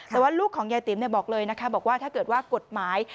แต่ว่าลูกของยายติ๋มบอกเลยนะคะบอกว่าถ้าเกิดว่ากฎหมาย